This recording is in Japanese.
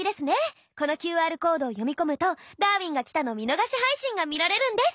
このＱＲコードを読み込むと「ダーウィンが来た！」の見逃し配信が見られるんです。